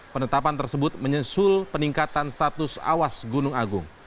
penetapan tersebut menyusul peningkatan status awas gunung agung